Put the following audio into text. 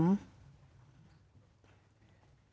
ผอม